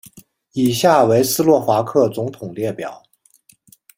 以下为斯洛伐克总统列表。